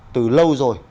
từ lâu rồi